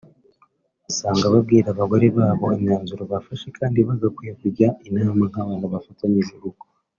usanga babwira abagore babo imyanzuro bafashe kandi bagakwiye kujya inama nk’abantu bafatanyije urugo